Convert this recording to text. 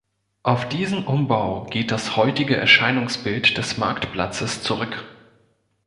Auf diesen Umbau geht das heutige Erscheinungsbild des Marktplatzes zurück.